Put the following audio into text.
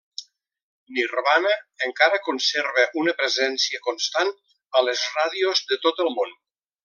Nirvana encara conserva una presència constant a les ràdios de tot el món.